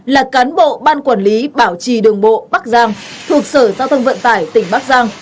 là cán bộ ban quản lý bảo trì đường bộ bắc giang thuộc sở giao thông vận tải tỉnh bắc giang